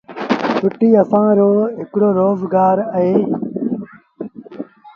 ڦُٽيٚ اسآݩ رو هڪڙو روز گآر اهي